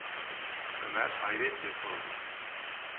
Ömer hayretle sordu: